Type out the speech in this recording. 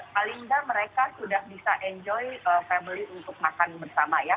paling nggak mereka sudah bisa enjoy family untuk makan bersama ya